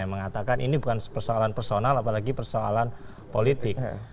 yang mengatakan ini bukan persoalan personal apalagi persoalan politik